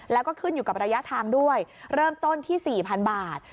แล้วก็ขึ้นอยู่กับระยะทางด้วยเริ่มต้นที่๔๐๐๐บาท